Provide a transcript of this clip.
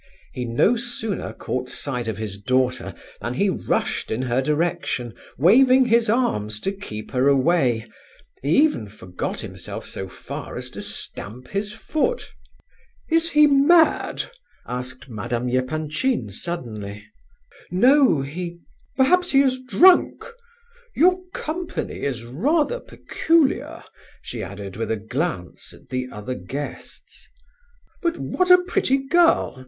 He no sooner caught sight of his daughter, than he rushed in her direction, waving his arms to keep her away; he even forgot himself so far as to stamp his foot. "Is he mad?" asked Madame Epanchin suddenly. "No, he..." "Perhaps he is drunk? Your company is rather peculiar," she added, with a glance at the other guests.... "But what a pretty girl!